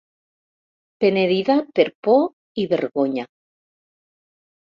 Penedida per por i vergonya.